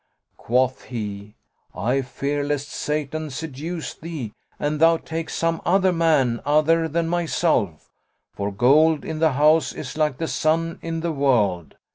Quoth he, "I fear lest Satan seduce thee and thou take some other man other than myself; for gold in the house is like the sun in the world.